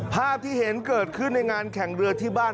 ภาพที่เห็นเกิดขึ้นในงานแข่งเรือที่บ้าน